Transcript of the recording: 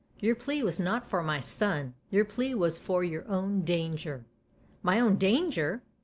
" Your plea was not for my son your plea was for your own danger." "My own Manger'?"